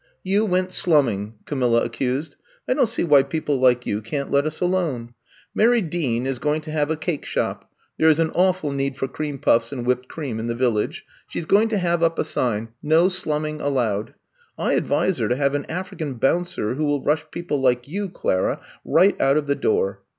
*^ You went slumming, '' Camilla accused. I don't see why people like you can't let 22 I'VE COME TO STAY us alone. Mary Dean is going to have a cake shop — there is an awful need for cream puffs and whipped cream in the Vil lage — she is going to have up a sign, *No Slumming Allowed. ' I advise her to have an African bouncer who will rush people like you, Clara, right out of the door.